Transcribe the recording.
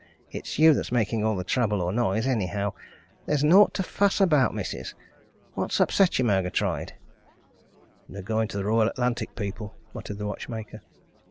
"It's you that's making all the trouble or noise, anyhow! There's naught to fuss about, missis. What's upset you, Murgatroyd?" "They're going to the Royal Atlantic people," muttered the watchmaker.